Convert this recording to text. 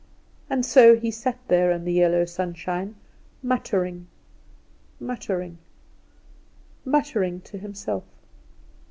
And so he sat there in the yellow sunshine, muttering, muttering, muttering, to himself.